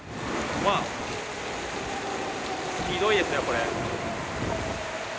うわ、ひどいですね、これ！